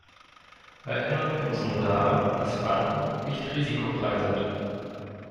Erinnern wir uns nur daran, dass Banken nicht risikofrei sind.